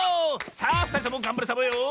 さあふたりともがんばるサボよ。